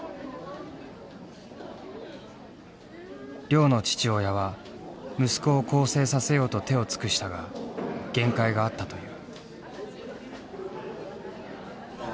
亮の父親は息子を更生させようと手を尽くしたが限界があったという。